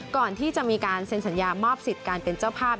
ก่อนที่จะมีการเซ็นสัญญามอบสิทธิ์การเป็นเจ้าภาพ